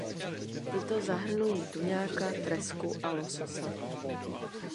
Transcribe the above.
Tyto zahrnují tuňáka, tresku a lososa.